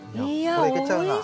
これいけちゃうな。